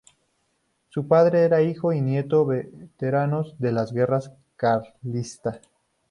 Su padre era hijo y nieto de veteranos de las guerras carlistas.